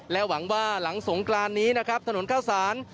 หวังว่าหลังสงกรานนี้นะครับถนนข้าวสาร